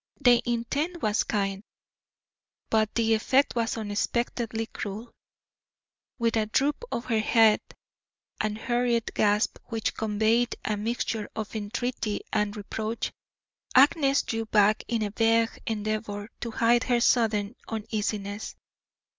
The intent was kind, but the effect was unexpectedly cruel. With a droop of her head and a hurried gasp which conveyed a mixture of entreaty and reproach, Agnes drew back in a vague endeavour to hide her sudden uneasiness.